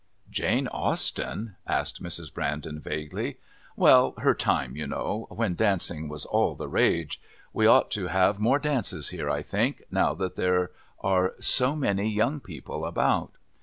"Jane Austen?" asked Mrs. Brandon vaguely. "Well, her time, you know, when dancing was all the rage. We ought to have more dances here, I think, now that there are so many young people about."